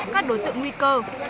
các đối tượng nguy cơ